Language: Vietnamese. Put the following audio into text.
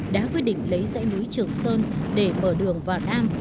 đã quyết định lấy dãy núi trường sơn để mở đường vào nam